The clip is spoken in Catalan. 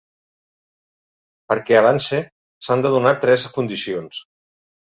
Perquè avance, s’han de donar tres condicions.